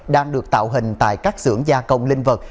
đang được tạo hình tại các xưởng gia công linh vật